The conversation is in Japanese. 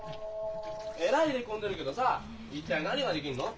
えらい入れ込んでるけどさ一体何が出来んの？